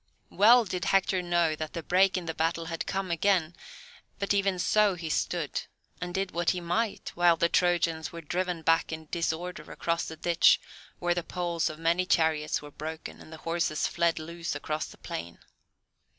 Well did Hector know that the break in the battle had come again; but even so he stood, and did what he might, while the Trojans were driven back in disorder across the ditch, where the poles of many chariots were broken and the horses fled loose across the plain.